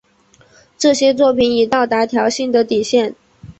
这些作品已到达调性的底线。